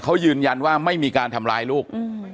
เขายืนยันว่าไม่มีการทำร้ายลูก